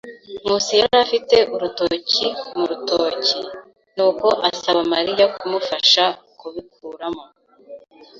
Nkusi yari afite urutoki mu rutoki, nuko asaba Mariya kumufasha kubikuramo.